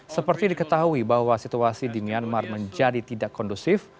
seperti diketahui bahwa situasi di myanmar menjadi tidak kondusif